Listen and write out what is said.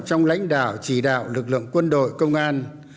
trong lãnh đạo chỉ đạo lực lượng quân đội công an